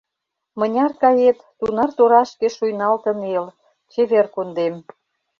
Мыняр кает, тунар торашке Шуйналтын эл — чевер кундем.